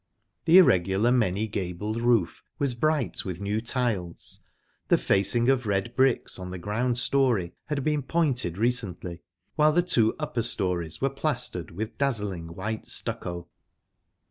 The irregular, many gabled roof was bright with new tiles, the facing of red bricks on the ground storey had been pointed recently, while the two upper storeys were plastered with dazzling white stucco.